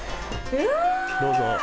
どうぞ。